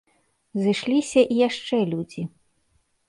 Зышліся і яшчэ людзі.